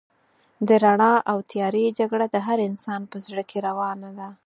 د رڼا او تيارې جګړه د هر انسان په زړه کې روانه ده.